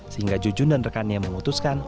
sehingga jujun dan rekannya memutuskan